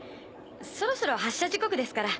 そろそろ発車時刻ですから。